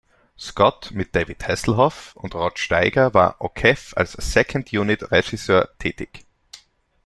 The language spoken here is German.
Scott mit David Hasselhoff und Rod Steiger war O’Keeffe als Second-Unit-Regisseur tätig.